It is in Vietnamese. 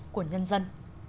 của nhân dân